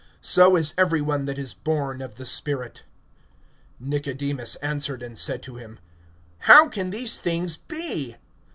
So is every one that is born of the Spirit. (9)Nicodemus answered and said to him: How can these things be?